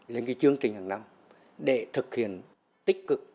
lên cái chương trình hàng năm để thực hiện tích cực